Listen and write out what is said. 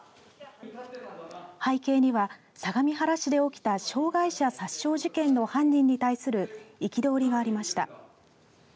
背景には、相模原市で起きた障害者殺傷事件の犯人に対する憤りがありました。